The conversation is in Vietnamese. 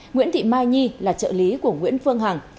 nguyễn thị mai nhi là trợ lý của nguyễn phương hằng